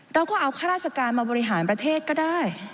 เราก็เอาข้าราชการมาบริหารประเทศก็ได้